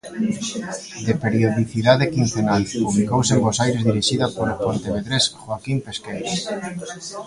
De periodicidade quincenal, publicouse en Bos Aires dirixida polo pontevedrés Joaquín Pesqueira.